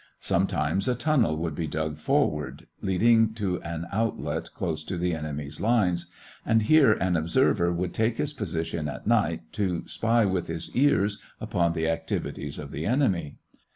Sometimes a tunnel would be dug forward, leading to an outlet close to the enemy's lines, and here an observer would take his position at night to spy with his ears upon the activities of the enemy.